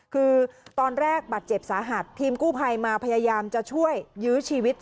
คือตอนแรกบาดเจ็บสาหัสทีมกู้ภัยมาพยายามจะช่วยยื้อชีวิต